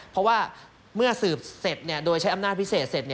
เพราะว่าเมื่อสืบเสร็จโดยใช้อำนาจพิเศษเสร็จ